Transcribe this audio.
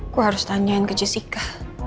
gue harus tanyain ke jessica